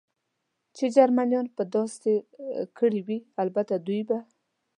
چې جرمنیانو دې داسې کړي وي، البته دوی به.